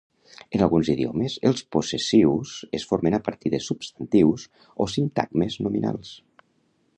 En alguns idiomes, els possessius es formen a partir de substantius o sintagmes nominals.